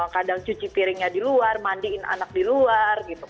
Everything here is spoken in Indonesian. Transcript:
kadang cuci piringnya di luar mandiin anak di luar gitu